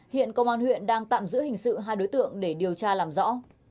hiện công an huyện đang tạm giữ hình sự hai đối tượng để điều tra làm rõ